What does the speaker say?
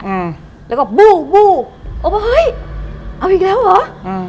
อ่าแล้วก็บู้บู้อเฮ้ยเอาอีกแล้วเหรออ่า